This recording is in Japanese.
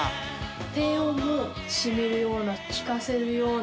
低音もしみるような聴かせるような